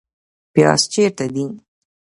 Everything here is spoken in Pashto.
پیاز چیرته دي؟